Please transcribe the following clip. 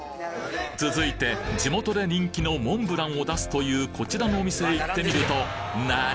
続いて地元で人気のモンブランを出すというこちらのお店へ行ってみると何？